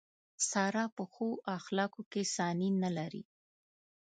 ساره په ښو اخلاقو کې ثاني نه لري.